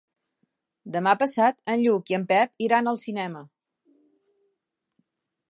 Demà passat en Lluc i en Pep iran al cinema.